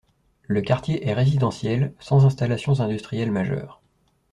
Le quartier est résidentiel, sans installations industrielles majeures.